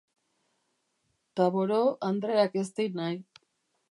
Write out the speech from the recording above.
Taboureau andreak ez din nahi.